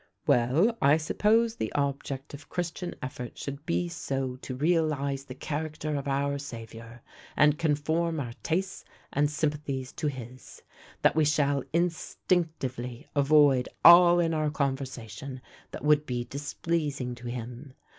"Well, I suppose the object of Christian effort should be so to realize the character of our Savior, and conform our tastes and sympathies to his, that we shall instinctively avoid all in our conversation that would be displeasing to him.